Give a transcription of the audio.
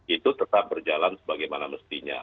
itu tetap berjalan sebagaimana mestinya